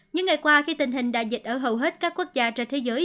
những ngày qua khi tình hình đại dịch ở hầu hết các quốc gia trên thế giới